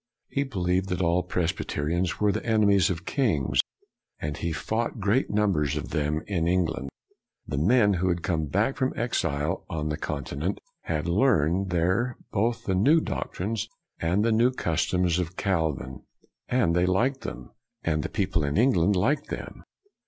He believed that all Presbyterians were the enemies of kings. And he found great numbers of them in England. The men who had come back from exile on the Continent had learned there both the new doctrines and the new customs of Calvin, and they liked them. And people in Eng land liked them.